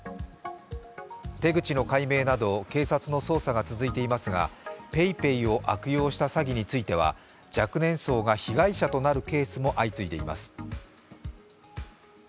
手口の解明など警察の捜査が続いていますがＰａｙＰａｙを悪用した詐欺については若年層が被害者となるケースも相次いでいます。